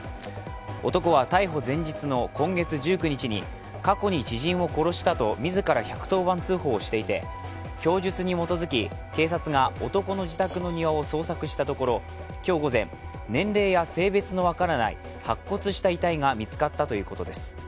男は逮捕前日の今月１９日に過去に知人を殺したと自ら１１０番通報していて供述に基づき警察が男の自宅の庭を捜索したところ、今日午前、年齢や性別の分からない白骨化した遺体が見つかったということです。